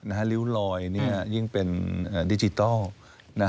นะฮะริ้วลอยเนี่ยยิ่งเป็นดิจิทัล